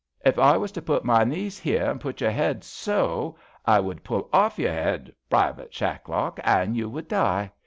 If I was to put my knees here an' put your 'ead so, I would pull off your 'ead, Privite Shacklock, an' you would die.